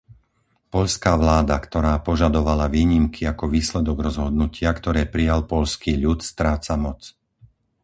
Poľská vláda, ktorá požadovala výnimky ako výsledok rozhodnutia, ktoré prijal poľský ľud, stráca moc.